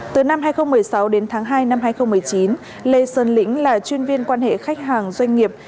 từ năm hai nghìn một mươi sáu đến tháng hai năm hai nghìn một mươi chín lê sơn lĩnh là chuyên viên quan hệ khách hàng doanh nghiệp